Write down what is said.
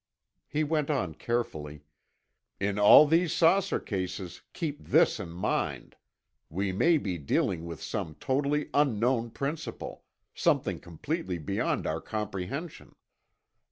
He went on carefully, "In all these saucer cases, keep this in mind: We may be dealing with some totally unknown principle—something completely beyond our comprehension."